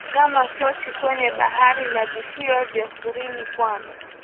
kama Sochi kwenye Bahari na visiwa vya Kurili Pwani